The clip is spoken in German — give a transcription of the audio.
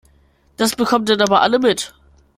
Das bekommen dann aber alle mit.